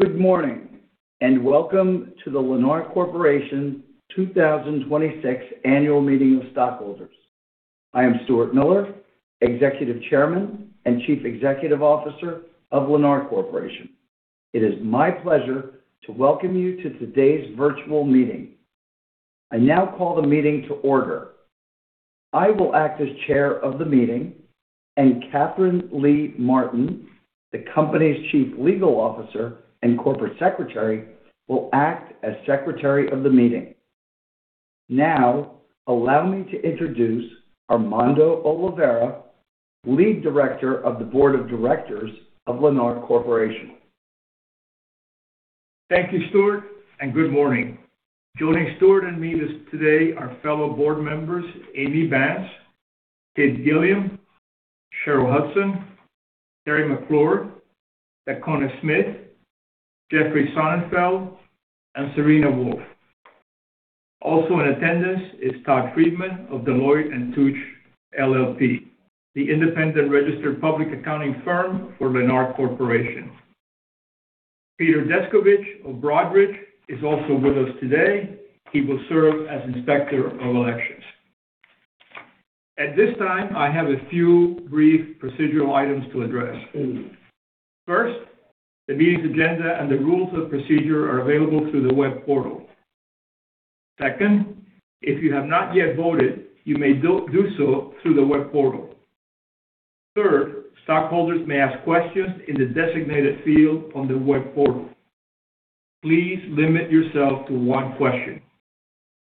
Good morning, and welcome to the Lennar Corporation 2026 Annual Meeting of Stockholders. I am Stuart Miller, Executive Chairman and Chief Executive Officer of Lennar Corporation. It is my pleasure to welcome you to today's virtual meeting. I now call the meeting to order. I will act as Chair of the meeting, and Katherine Lee Martin, the company's Chief Legal Officer and Corporate Secretary, will act as Secretary of the meeting. Now, allow me to introduce Armando Oliveira, Lead Director of the Board of Directors of Lennar Corporation. Thank you, Stuart, and good morning. Joining Stuart and me today are fellow board members Amy Banse, Kate Gilliam, Cheryl Hudson, Teri McClure, Dacona Smith, Jeffrey Sonnenfeld, and Serena Wolfe. Also in attendance is Todd Friedman of Deloitte & Touche, LLP, the independent registered public accounting firm for Lennar Corporation. Peter Descovich of Broadridge is also with us today. He will serve as Inspector of Elections. At this time, I have a few brief procedural items to address. First, the meeting's agenda and the rules of procedure are available through the web portal. Second, if you have not yet voted, you may do so through the web portal. Third, stockholders may ask questions in the designated field on the web portal. Please limit yourself to one question.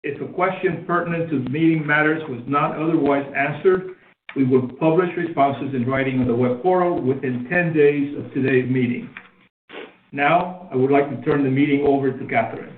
If a question pertinent to the meeting matters was not otherwise answered, we will publish responses in writing on the web portal within 10 days of today's meeting. Now, I would like to turn the meeting over to Katherine.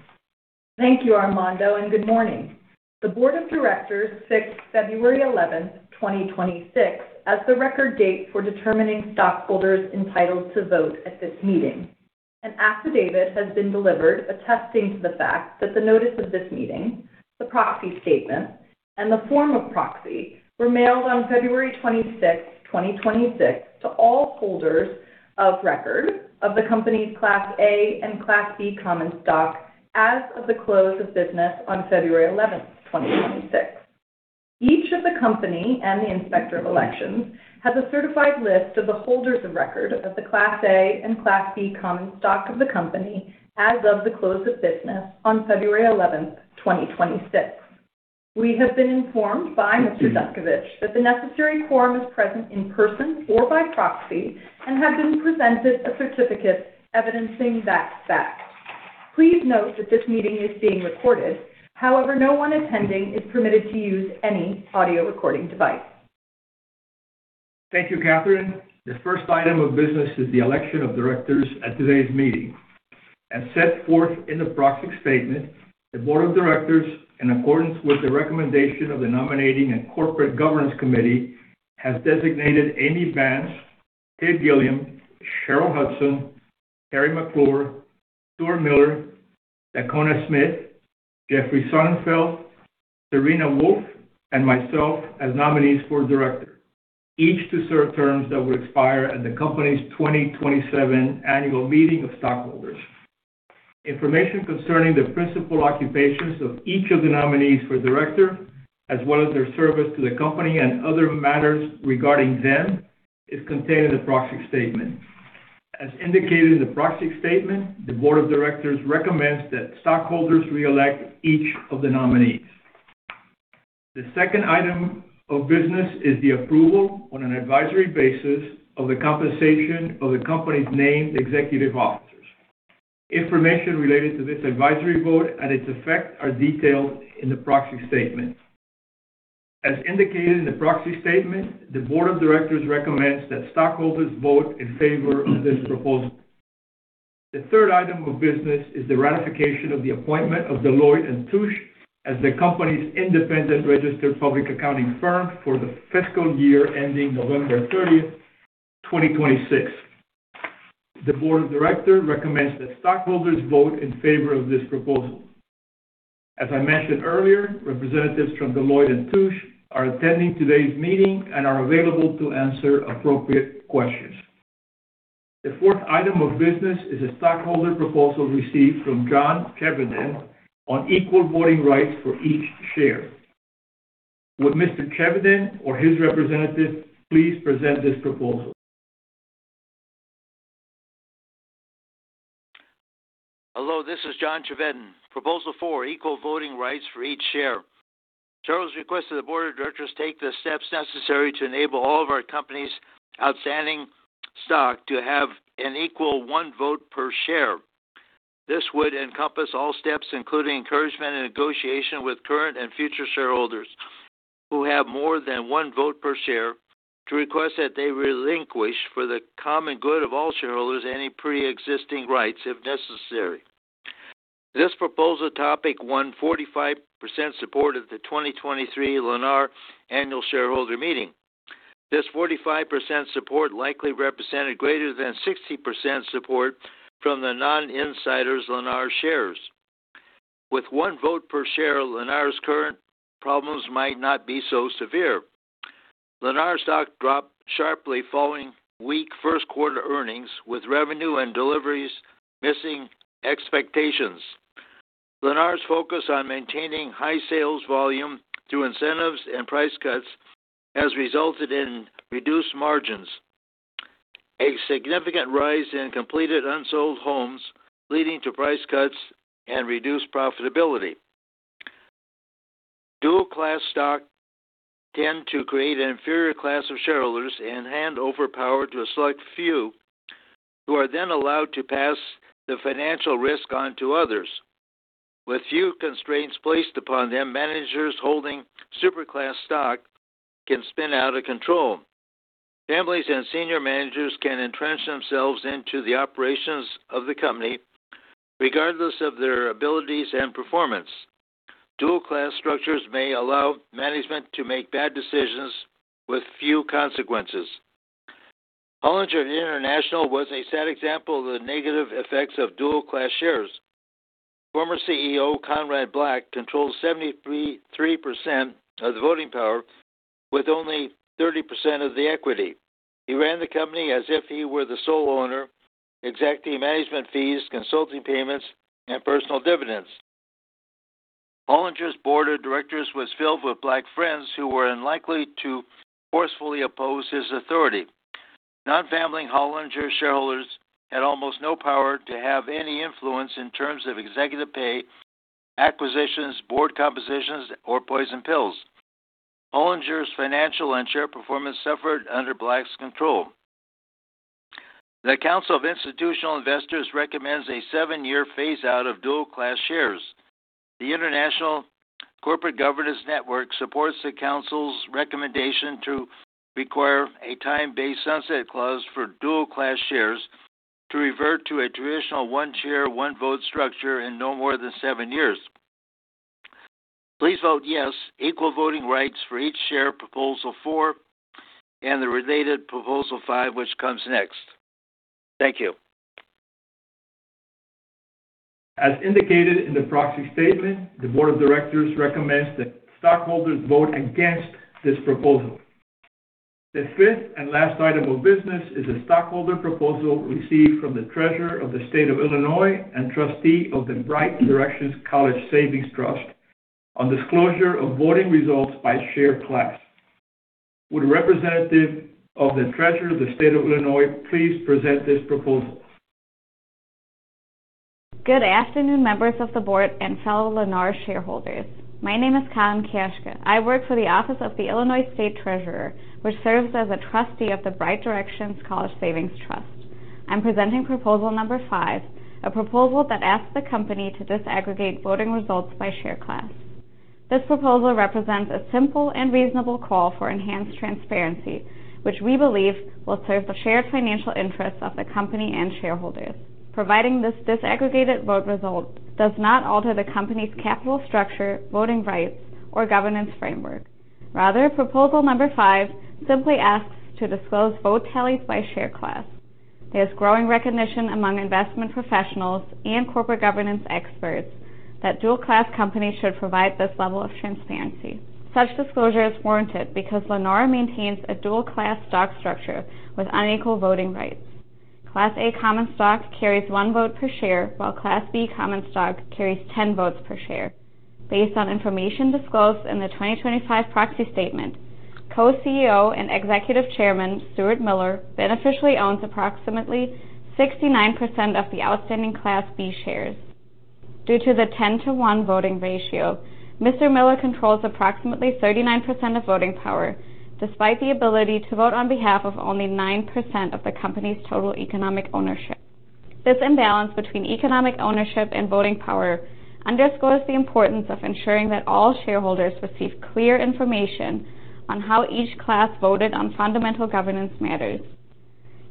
Thank you, Armando, and good morning. The Board of Directors fixed February 11th, 2026, as the record date for determining stockholders entitled to vote at this meeting. An affidavit has been delivered attesting to the fact that the notice of this meeting, the proxy statement, and the form of proxy were mailed on February 26th, 2026, to all holders of record of the company's Class A and Class B common stock as of the close of business on February 11th, 2026. Each of the company and the Inspector of Elections has a certified list of the holders of record of the Class A and Class B common stock of the company as of the close of business on February 11th, 2026. We have been informed by Mr. Descovich that the necessary quorum is present in person or by proxy and have been presented a certificate evidencing that fact. Please note that this meeting is being recorded. However, no one attending is permitted to use any audio recording device. Thank you, Katherine. The first item of business is the election of directors at today's meeting. As set forth in the proxy statement, the Board of Directors, in accordance with the recommendation of the Nominating & Corporate Governance Committee, has designated Amy Banse, Kate Gilliam, Cheryl Hudson, Teri McClure, Stuart Miller, Dacona Smith, Jeffrey Sonnenfeld, Serena Wolfe, and myself as nominees for director, each to serve terms that will expire at the company's 2027 Annual Meeting of Stockholders. Information concerning the principal occupations of each of the nominees for director, as well as their service to the company and other matters regarding them, is contained in the proxy statement. As indicated in the proxy statement, the Board of Directors recommends that stockholders reelect each of the nominees. The second item of business is the approval, on an advisory basis, of the compensation of the company's named executive officers. Information related to this advisory vote and its effect are detailed in the proxy statement. As indicated in the proxy statement, the Board of Directors recommends that stockholders vote in favor of this proposal. The third item of business is the ratification of the appointment of Deloitte & Touche as the company's independent registered public accounting firm for the fiscal year ending November 30th, 2026. The Board of Directors recommends that stockholders vote in favor of this proposal. As I mentioned earlier, representatives from Deloitte & Touche are attending today's meeting and are available to answer appropriate questions. The fourth item of business is a stockholder proposal received from John Chevedden on equal voting rights for each share. Would Mr. Chevedden or his representative please present this proposal? Hello, this is John Chevedden. Proposal four, equal voting rights for each share. Charles requested the board of directors take the steps necessary to enable all of our company's outstanding stock to have an equal one vote per share. This would encompass all steps, including encouragement and negotiation with current and future shareholders who have more than one vote per share to request that they relinquish for the common good of all shareholders, any preexisting rights, if necessary. This proposal topic won 45% support at the 2023 Lennar Annual Shareholder Meeting. This 45% support likely represented greater than 60% support from the non-insiders Lennar shares. With one vote per share, Lennar's current problems might not be so severe. Lennar stock dropped sharply following weak first-quarter earnings, with revenue and deliveries missing expectations. Lennar's focus on maintaining high sales volume through incentives and price cuts has resulted in reduced margins, a significant rise in completed unsold homes, leading to price cuts and reduced profitability. Dual-class stock tends to create an inferior class of shareholders and hand over power to a select few, who are then allowed to pass the financial risk on to others. With few constraints placed upon them, managers holding super class stock can spin out of control. Families and senior managers can entrench themselves into the operations of the company, regardless of their abilities and performance. Dual-class structures may allow management to make bad decisions with few consequences. Hollinger International was a sad example of the negative effects of dual-class shares. Former CEO Conrad Black controlled 73% of the voting power with only 30% of the equity. He ran the company as if he were the sole owner, exacting management fees, consulting payments, and personal dividends. Hollinger's board of directors was filled with Black friends who were unlikely to forcefully oppose his authority. Non-family Hollinger shareholders had almost no power to have any influence in terms of executive pay, acquisitions, board compositions, or poison pills. Hollinger's financial and share performance suffered under Black's control. The Council of Institutional Investors recommends a seven-year phase-out of dual class shares. The International Corporate Governance Network supports the council's recommendation to require a time-based sunset clause for dual class shares to revert to a traditional one share, one vote structure in no more than seven years. Please vote yes, equal voting rights for each share, proposal four, and the related proposal five, which comes next. Thank you. As indicated in the proxy statement, the board of directors recommends that stockholders vote against this proposal. The fifth and last item of business is a stockholder proposal received from the Treasurer of the State of Illinois and trustee of the Bright Directions College Savings Trust on disclosure of voting results by share class. Would a representative of the Treasurer of the State of Illinois please present this proposal? Good afternoon, members of the board and fellow Lennar shareholders. My name is Karen Kerschke. I work for the Office of the Illinois State Treasurer, which serves as a trustee of the Bright Directions College Savings Trust. I'm presenting proposal number five, a proposal that asks the company to disaggregate voting results by share class. This proposal represents a simple and reasonable call for enhanced transparency, which we believe will serve the shared financial interests of the company and shareholders. Providing this disaggregated vote result does not alter the company's capital structure, voting rights, or governance framework. Rather, proposal number five simply asks to disclose vote tallies by share class. There's growing recognition among investment professionals and corporate governance experts that dual class companies should provide this level of transparency. Such disclosure is warranted because Lennar maintains a dual class stock structure with unequal voting rights. Class A common stock carries one vote per share, while Class B common stock carries 10 votes per share. Based on information disclosed in the 2025 proxy statement, Co-CEO and Executive Chairman Stuart Miller beneficially owns approximately 69% of the outstanding Class B shares. Due to the 10 - 1 voting ratio, Mr. Miller controls approximately 39% of voting power, despite the ability to vote on behalf of only 9% of the company's total economic ownership. This imbalance between economic ownership and voting power underscores the importance of ensuring that all shareholders receive clear information on how each class voted on fundamental governance matters.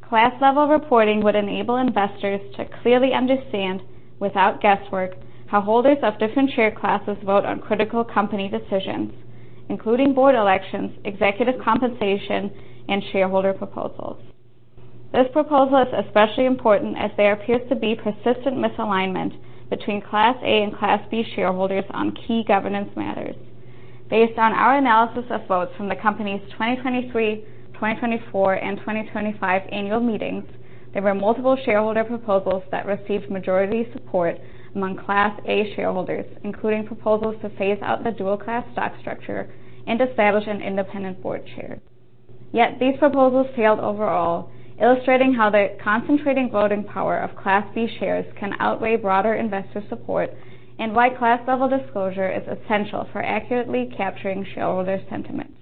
Class level reporting would enable investors to clearly understand, without guesswork, how holders of different share classes vote on critical company decisions, including board elections, executive compensation, and shareholder proposals. This proposal is especially important as there appears to be persistent misalignment between Class A and Class B shareholders on key governance matters. Based on our analysis of votes from the company's 2023, 2024, and 2025 annual meetings, there were multiple shareholder proposals that received majority support among Class A shareholders, including proposals to phase out the dual-class stock structure and establish an independent board chair. Yet these proposals failed overall, illustrating how the concentrating voting power of Class B shares can outweigh broader investor support, and why class-level disclosure is essential for accurately capturing shareholder sentiments.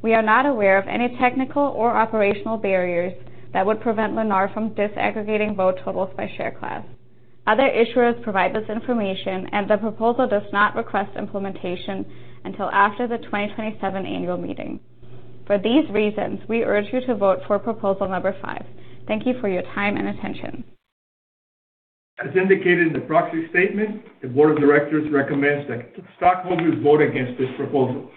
We are not aware of any technical or operational barriers that would prevent Lennar from disaggregating vote totals by share class. Other issuers provide this information, and the proposal does not request implementation until after the 2027 annual meeting. For these reasons, we urge you to vote for proposal number five. Thank you for your time and attention. As indicated in the proxy statement, the board of directors recommends that stockholders vote against this proposal.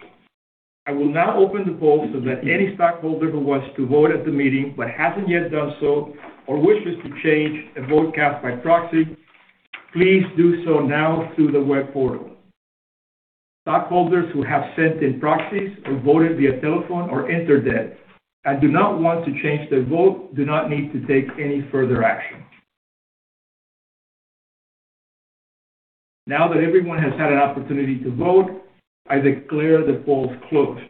I will now open the poll so that any stockholder who wants to vote at the meeting but hasn't yet done so, or wishes to change a vote cast by proxy, please do so now through the web portal. Stockholders who have sent in proxies or voted via telephone or Internet and do not want to change their vote, do not need to take any further action. Now that everyone has had an opportunity to vote, I declare the polls closed.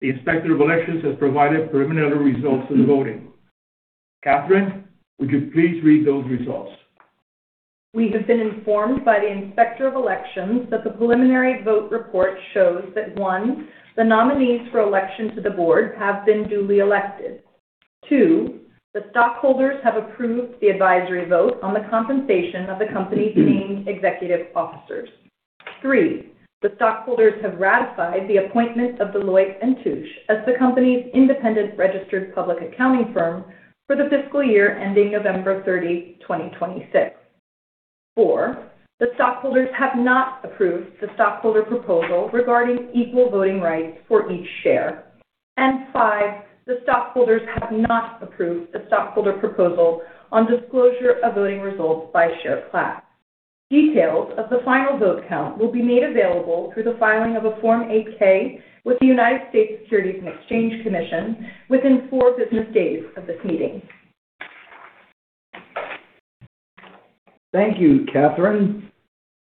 The Inspector of Elections has provided preliminary results of the voting. Katherine, would you please read those results? We have been informed by the Inspector of Elections that the preliminary vote report shows that, one, the nominees for election to the board have been duly elected. Two, the stockholders have approved the advisory vote on the compensation of the company's named executive officers. Three, the stockholders have ratified the appointment of Deloitte & Touche as the company's independent registered public accounting firm for the fiscal year ending November 30, 2026. Four, the stockholders have not approved the stockholder proposal regarding equal voting rights for each share. Five, the stockholders have not approved the stockholder proposal on disclosure of voting results by share class. Details of the final vote count will be made available through the filing of a Form 8-K with the U.S. SEC within four business days of this meeting. Thank you, Katherine.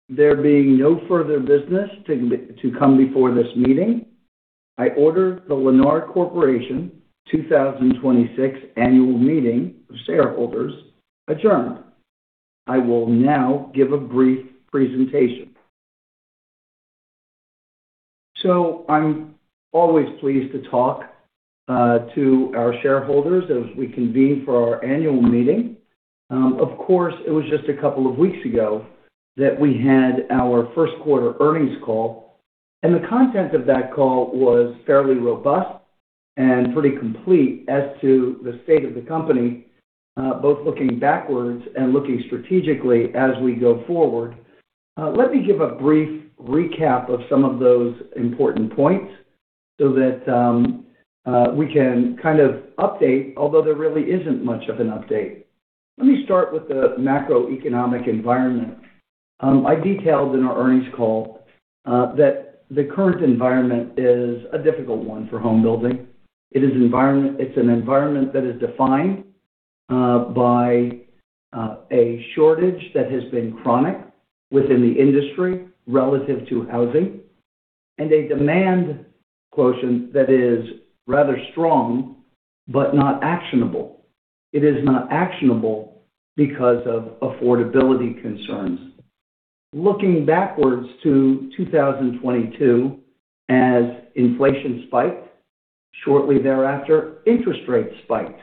There being no further business to come before this meeting, I order the Lennar Corporation 2026 Annual Meeting of Shareholders adjourned. I will now give a brief presentation. I'm always pleased to talk to our shareholders as we convene for our annual meeting. Of course, it was just a couple of weeks ago that we had our first quarter earnings call, and the content of that call was fairly robust and pretty complete as to the state of the company, both looking backwards and looking strategically as we go forward. Let me give a brief recap of some of those important points so that we can kind of update, although there really isn't much of an update. Let me start with the macroeconomic environment. I detailed in our earnings call that the current environment is a difficult one for home building. It's an environment that is defined by a shortage that has been chronic within the industry relative to housing, and a demand quotient that is rather strong but not actionable. It is not actionable because of affordability concerns. Looking backwards to 2022, as inflation spiked, shortly thereafter, interest rates spiked.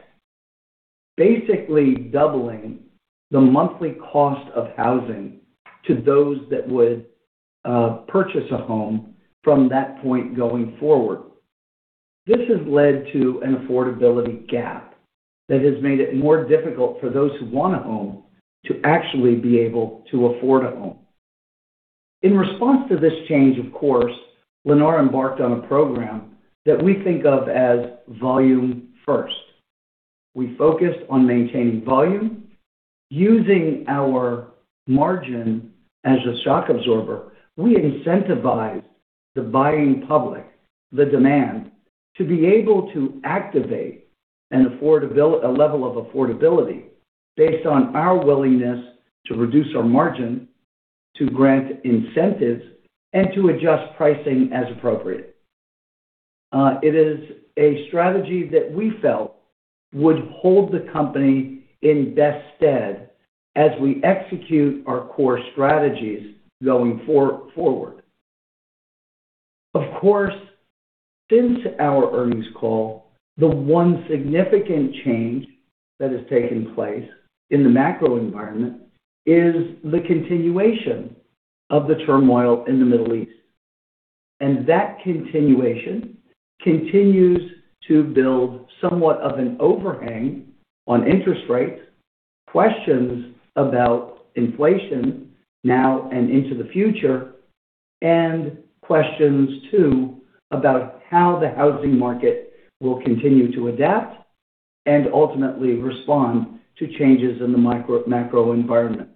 Basically doubling the monthly cost of housing to those that would purchase a home from that point going forward. This has led to an affordability gap that has made it more difficult for those who want a home to actually be able to afford a home. In response to this change, of course, Lennar embarked on a program that we think of as Volume First. We focused on maintaining volume, using our margin as a shock absorber. We incentivized the buying public, the demand, to be able to activate a level of affordability based on our willingness to reduce our margin, to grant incentives, and to adjust pricing as appropriate. It is a strategy that we felt would hold the company in best stead as we execute our core strategies going forward. Of course, since our earnings call, the one significant change that has taken place in the macro environment is the continuation of the turmoil in the Middle East. That continuation continues to build somewhat of an overhang on interest rates, questions about inflation now and into the future, and questions, too, about how the housing market will continue to adapt and ultimately respond to changes in the macro environment.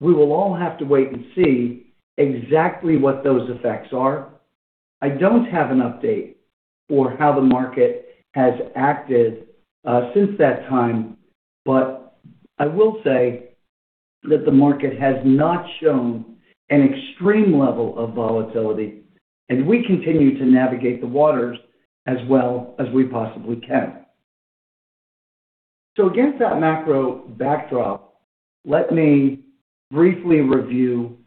We will all have to wait and see exactly what those effects are. I don't have an update for how the market has acted since that time, but I will say that the market has not shown an extreme level of volatility, and we continue to navigate the waters as well as we possibly can. Against that macro backdrop, let me briefly review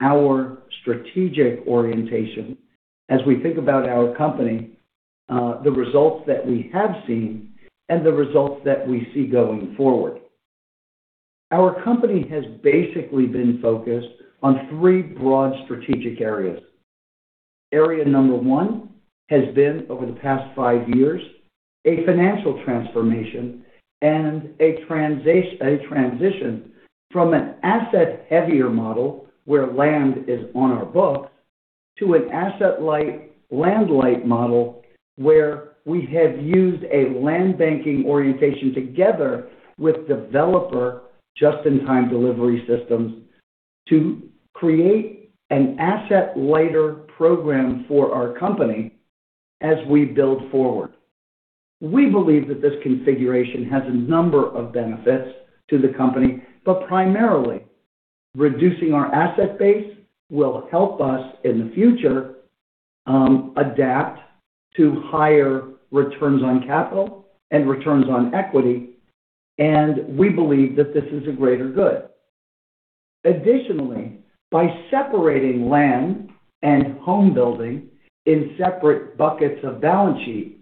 our strategic orientation as we think about our company, the results that we have seen, and the results that we see going forward. Our company has basically been focused on three broad strategic areas. Area number one has been, over the past five years, a financial transformation and a transition from an asset-heavier model where land is on our books, to an asset-light, land-light model, where we have used a land banking orientation together with developer just-in-time delivery systems to create an asset-lighter program for our company as we build forward. We believe that this configuration has a number of benefits to the company, but primarily reducing our asset base will help us in the future adapt to higher returns on capital and returns on equity, and we believe that this is a greater good. Additionally, by separating land and home building in separate buckets of balance sheet,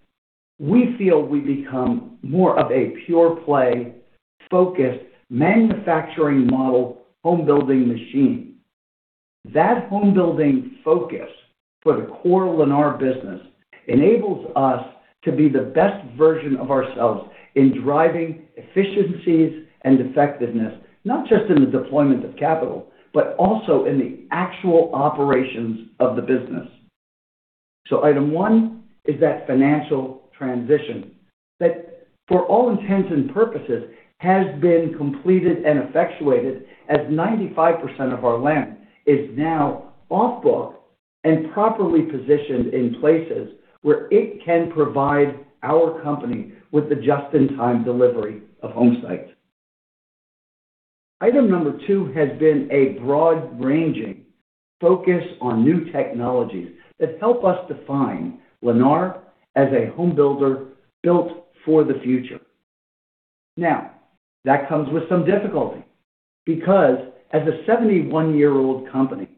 we feel we become more of a pure-play, focused manufacturing model, home building machine. That home building focus for the core Lennar business enables us to be the best version of ourselves in driving efficiencies and effectiveness, not just in the deployment of capital, but also in the actual operations of the business. Item one is that financial transition, that for all intents and purposes, has been completed and effectuated as 95% of our land is now off book and properly positioned in places where it can provide our company with the just-in-time delivery of homesites. Item number two has been a broad-ranging focus on new technologies that help us define Lennar as a home builder built for the future. Now, that comes with some difficulty because as a 71-year-old company,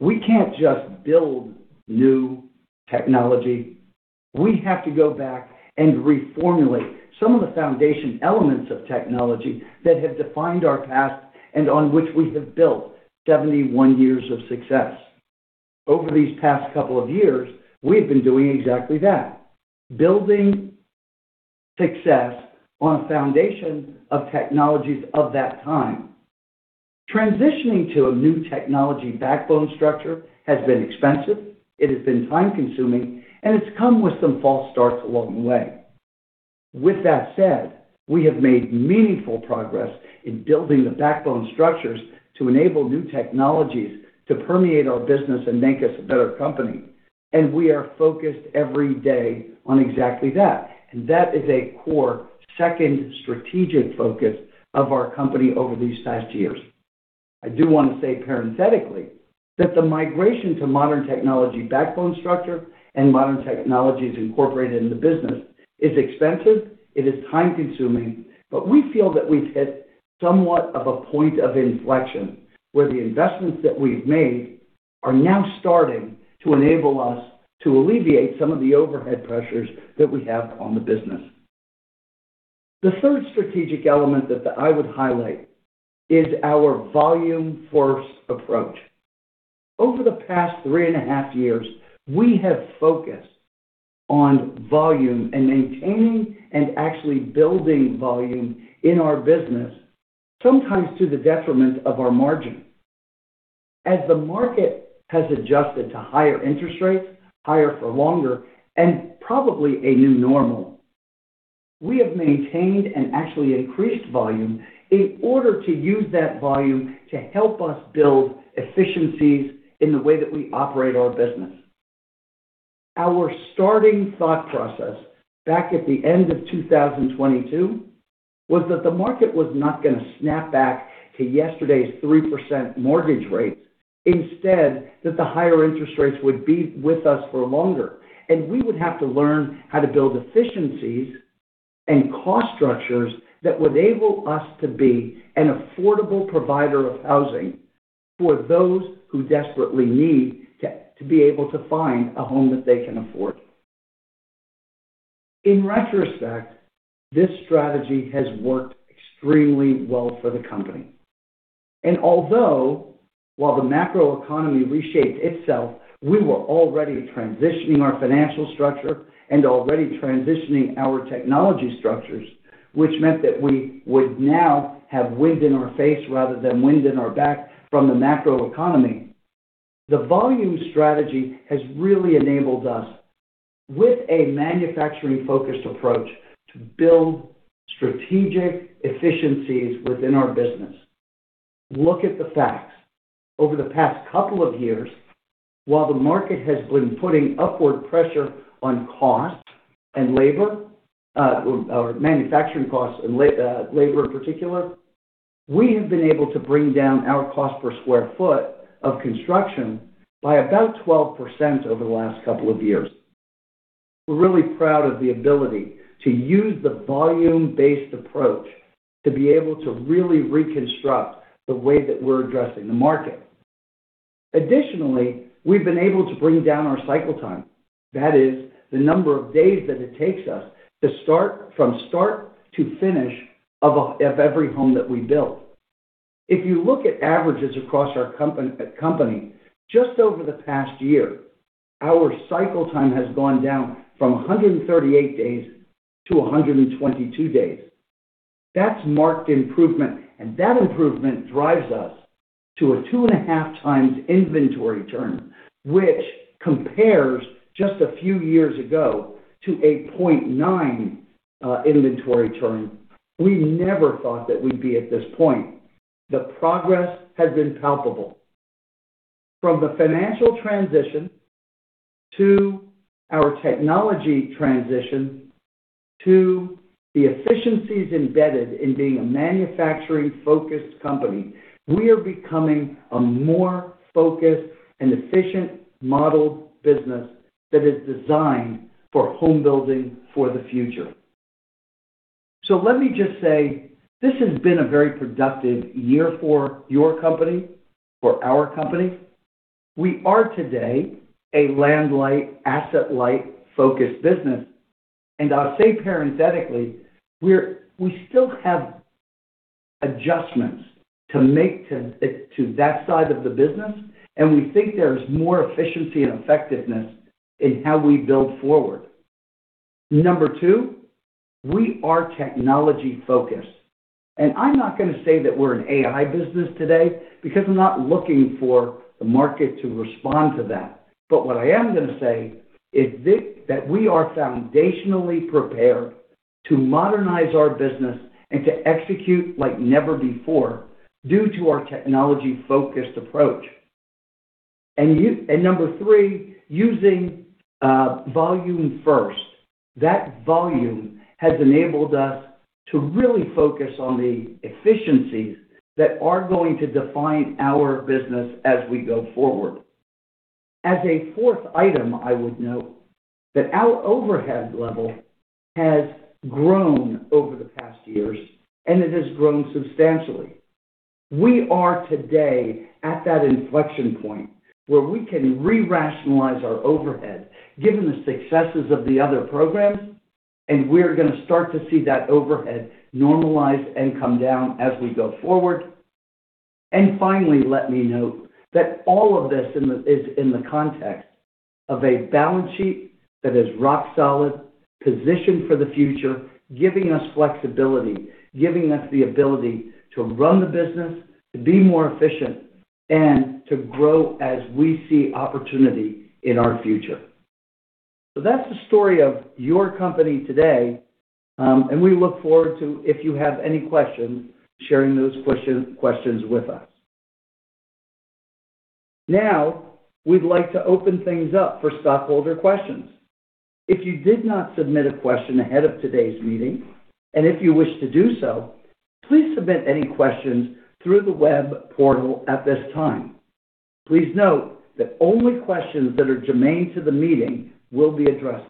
we can't just build new technology. We have to go back and reformulate some of the foundation elements of technology that have defined our past and on which we have built 71 years of success. Over these past couple of years, we've been doing exactly that, building success on a foundation of technologies of that time. Transitioning to a new technology backbone structure has been expensive, it has been time-consuming, and it's come with some false starts along the way. With that said, we have made meaningful progress in building the backbone structures to enable new technologies to permeate our business and make us a better company. We are focused every day on exactly that. That is a core second strategic focus of our company over these past years. I do want to say parenthetically, that the migration to modern technology backbone structure and modern technologies incorporated into business is expensive, it is time-consuming, but we feel that we've hit somewhat of a point of inflection where the investments that we've made are now starting to enable us to alleviate some of the overhead pressures that we have on the business. The third strategic element that I would highlight is our volume-first approach. Over the past three and a half years, we have focused on volume and maintaining and actually building volume in our business, sometimes to the detriment of our margin. As the market has adjusted to higher interest rates, higher for longer, and probably a new normal, we have maintained and actually increased volume in order to use that volume to help us build efficiencies in the way that we operate our business. Our starting thought process back at the end of 2022 was that the market was not going to snap back to yesterday's 3% mortgage rates. Instead, that the higher interest rates would be with us for longer, and we would have to learn how to build efficiencies and cost structures that would enable us to be an affordable provider of housing for those who desperately need to be able to find a home that they can afford. In retrospect, this strategy has worked extremely well for the company. All the while the macroeconomy reshaped itself, we were already transitioning our financial structure and already transitioning our technology structures, which meant that we would now have wind in our face rather than wind in our back from the macroeconomy. The volume strategy has really enabled us, with a manufacturing-focused approach, to build strategic efficiencies within our business. Look at the facts. Over the past couple of years, while the market has been putting upward pressure on cost and labor, or manufacturing costs and labor in particular, we have been able to bring down our cost per sq ft of construction by about 12% over the last couple of years. We're really proud of the ability to use the volume-based approach to be able to really reconstruct the way that we're addressing the market. Additionally, we've been able to bring down our cycle time. That is the number of days that it takes us from start to finish of every home that we build. If you look at averages across our company, just over the past year, our cycle time has gone down from 138 days - 122 days. That's marked improvement, and that improvement drives us to a 2.5 times inventory turn, which compares just a few years ago to a 0.9 inventory turn. We never thought that we'd be at this point. The progress has been palpable. From the financial transition to our technology transition to the efficiencies embedded in being a manufacturing-focused company, we are becoming a more focused and efficient modeled business that is designed for home building for the future. Let me just say, this has been a very productive year for your company, for our company. We are today a land-light, asset-light-focused business. I'll say parenthetically, we still have adjustments to make to that side of the business, and we think there's more efficiency and effectiveness in how we build forward. Number two, we are technology-focused. I'm not going to say that we're an AI business today, because I'm not looking for the market to respond to that. What I am going to say is that we are foundationally prepared to modernize our business and to execute like never before due to our technology-focused approach. Number three, using Volume first. That volume has enabled us to really focus on the efficiencies that are going to define our business as we go forward. As a fourth item, I would note that our overhead level has grown over the past years, and it has grown substantially. We are today at that inflection point where we can re-rationalize our overhead, given the successes of the other programs, and we're going to start to see that overhead normalize and come down as we go forward. Finally, let me note that all of this is in the context of a balance sheet that is rock solid, positioned for the future, giving us flexibility, giving us the ability to run the business, to be more efficient, and to grow as we see opportunity in our future. That's the story of your company today, and we look forward to, if you have any questions, sharing those questions with us. Now, we'd like to open things up for stockholder questions. If you did not submit a question ahead of today's meeting, and if you wish to do so, please submit any questions through the web portal at this time. Please note that only questions that are germane to the meeting will be addressed.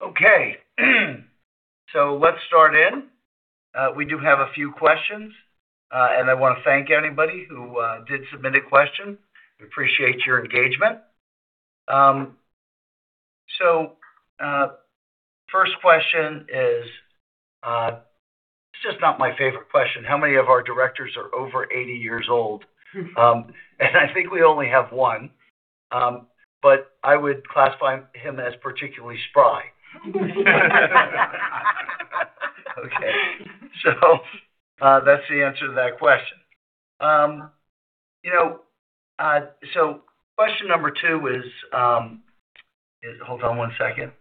Okay. Let's start in. We do have a few questions, and I want to thank anybody who did submit a question. We appreciate your engagement. First question is. It's just not my favorite question. How many of our directors are over 80 years old? And I think we only have one. I would classify him as particularly spry. Okay. That's the answer to that question. Question number two is. Hold on one second.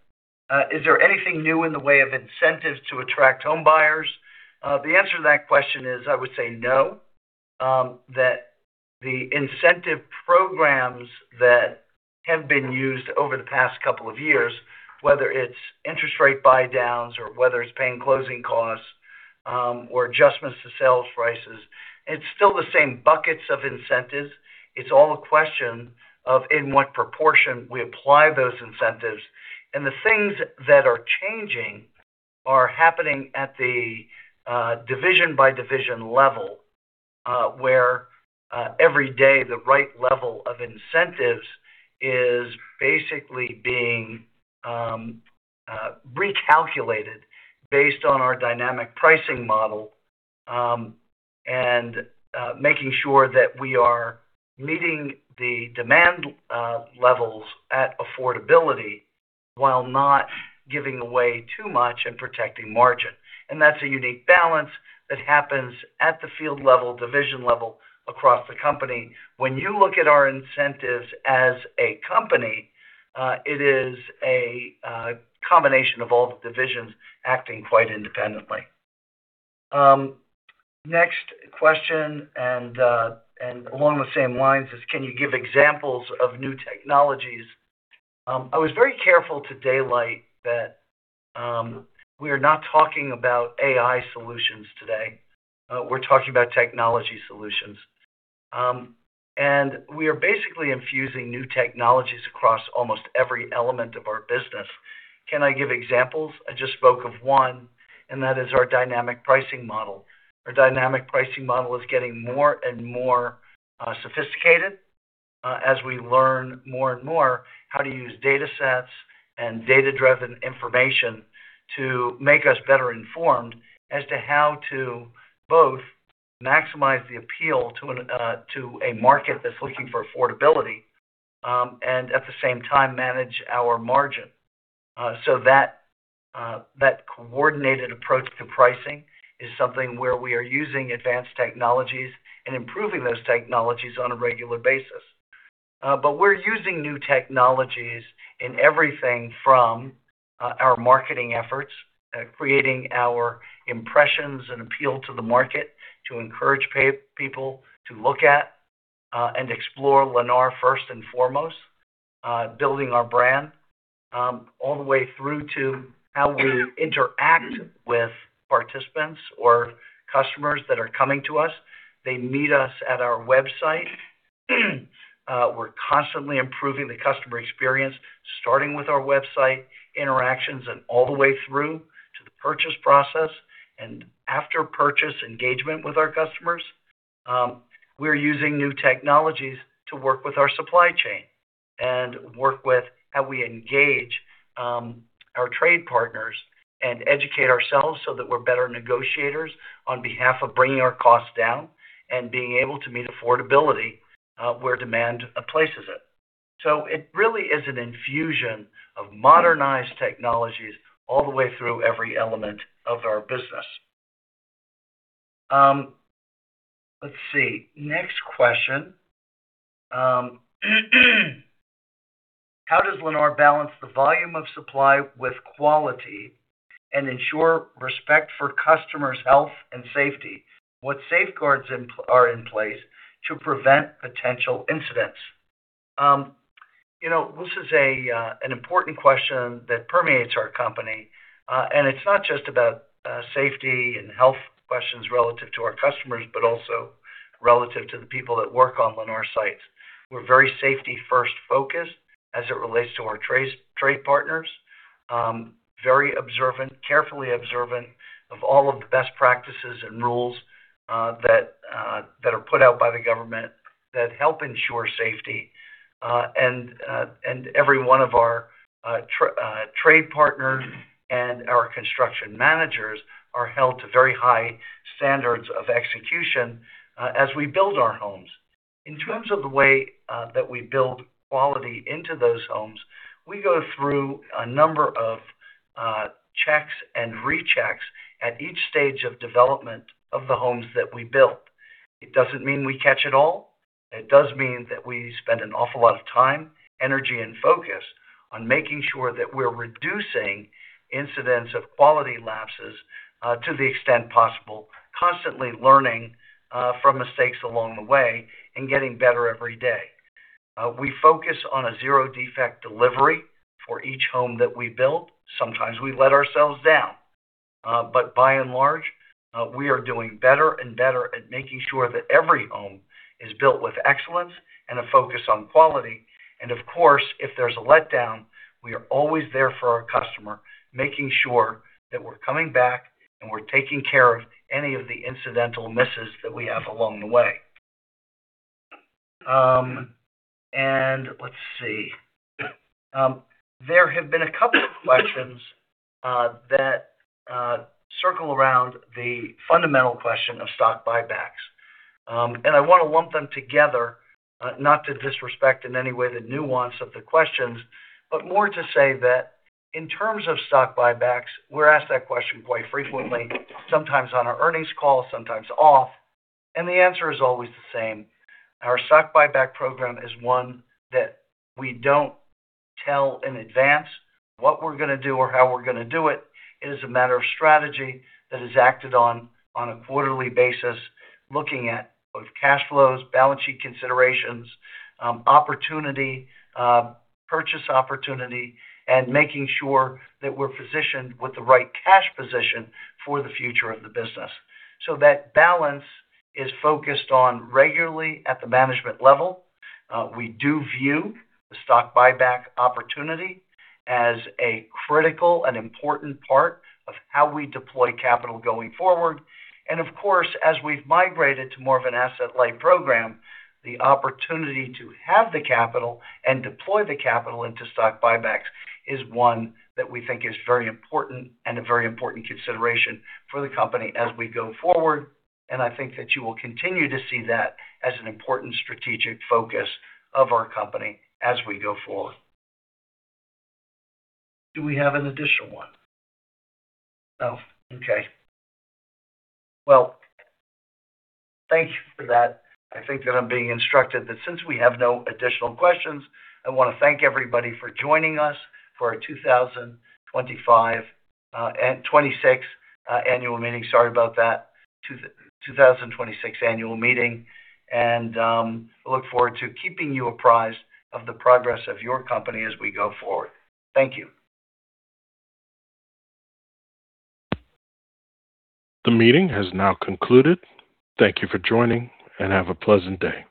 Is there anything new in the way of incentives to attract home buyers? The answer to that question is, I would say, no. That the incentive programs that have been used over the past couple of years, whether it's interest rate buydowns or whether it's paying closing costs, or adjustments to sales prices, it's still the same buckets of incentives. It's all a question of in what proportion we apply those incentives. The things that are changing are happening at the division-by-division level, where every day, the right level of incentives is basically being recalculated based on our dynamic pricing model, and making sure that we are meeting the demand levels at affordability while not giving away too much and protecting margin. That's a unique balance that happens at the field level, division level across the company. When you look at our incentives as a company, it is a combination of all the divisions acting quite independently. Next question, and along the same lines is, can you give examples of new technologies? I was very careful to daylight that we are not talking about AI solutions today. We're talking about technology solutions. We are basically infusing new technologies across almost every element of our business. Can I give examples? I just spoke of one, and that is our Dynamic pricing model. Our Dynamic pricing model is getting more and more sophisticated. We learn more and more how to use data sets and data-driven information to make us better informed as to how to both maximize the appeal to a market that's looking for affordability, and at the same time manage our margin. That coordinated approach to pricing is something where we are using advanced technologies and improving those technologies on a regular basis. We're using new technologies in everything from our marketing efforts at creating our impressions and appeal to the market to encourage people to look at and explore Lennar first and foremost, building our brand, all the way through to how we interact with participants or customers that are coming to us. They meet us at our website. We're constantly improving the customer experience, starting with our website interactions and all the way through to the purchase process and after-purchase engagement with our customers. We're using new technologies to work with our supply chain and work with how we engage our trade partners and educate ourselves so that we're better negotiators on behalf of bringing our costs down and being able to meet affordability, where demand places it. It really is an infusion of modernized technologies all the way through every element of our business. Let's see, next question. How does Lennar balance the volume of supply with quality and ensure respect for customers' health and safety? What safeguards are in place to prevent potential incidents? This is an important question that permeates our company. It's not just about safety and health questions relative to our customers, but also relative to the people that work on Lennar sites. We're very safety-first focused as it relates to our trade partners. Very observant, carefully observant of all of the best practices and rules that are put out by the government that help ensure safety. Every one of our trade partners and our construction managers are held to very high standards of execution as we build our homes. In terms of the way that we build quality into those homes, we go through a number of checks and rechecks at each stage of development of the homes that we build. It doesn't mean we catch it all. It does mean that we spend an awful lot of time, energy, and focus on making sure that we're reducing incidents of quality lapses to the extent possible, constantly learning from mistakes along the way and getting better every day. We focus on a zero-defect delivery for each home that we build. Sometimes we let ourselves down. By and large, we are doing better and better at making sure that every home is built with excellence and a focus on quality. Of course, if there's a letdown, we are always there for our customer, making sure that we're coming back and we're taking care of any of the incidental misses that we have along the way. Let's see. There have been a couple of questions that circle around the fundamental question of stock buybacks. I want to lump them together, not to disrespect in any way the nuance of the questions, but more to say that in terms of stock buybacks, we're asked that question quite frequently, sometimes on our earnings call, sometimes off, and the answer is always the same. Our stock buyback program is one that we don't tell in advance what we're going to do or how we're going to do it. It is a matter of strategy that is acted on a quarterly basis, looking at both cash flows, balance sheet considerations, opportunity, purchase opportunity, and making sure that we're positioned with the right cash position for the future of the business. That balance is focused on regularly at the management level. We do view the stock buyback opportunity as a critical and important part of how we deploy capital going forward. Of course, as we've migrated to more of an asset-light program, the opportunity to have the capital and deploy the capital into stock buybacks is one that we think is very important and a very important consideration for the company as we go forward. I think that you will continue to see that as an important strategic focus of our company as we go forward. Do we have an additional one? No. Okay. Well, thank you for that. I think that I'm being instructed that since we have no additional questions, I want to thank everybody for joining us for our 2025, no 2026 Annual Meeting. Sorry about that. 2026 Annual Meeting, and look forward to keeping you apprised of the progress of your company as we go forward. Thank you. The meeting has now concluded. Thank you for joining, and have a pleasant day.